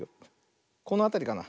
このあたりかな。